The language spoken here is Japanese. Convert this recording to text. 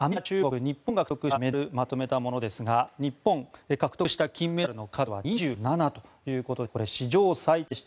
メダル、まとめたものですが日本、獲得した金メダルの数は２７ということでこれは史上最多でした。